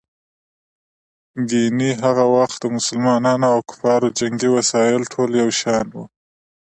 ګیني هغه وخت د مسلمانانو او کفارو جنګي وسایل ټول یو شان وو.